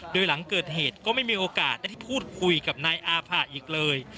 โดยหลังเกิดเหตุก็ไม่มีโอกาสได้พูดคุยกับนายอาผะอีกเลย